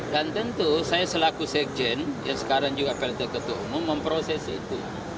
dan tentu saya selaku sekjen ya sekarang juga pt ketua umum memproses itu